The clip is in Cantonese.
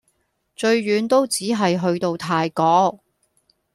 最遠都只係去到泰國